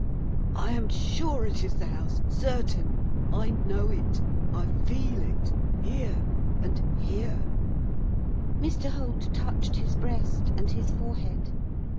'I am sure it is the house, certain! I know it, I feel it here, and here.' Mr Holt touched his breast, and his forehead.